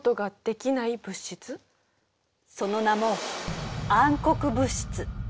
その名も暗黒物質。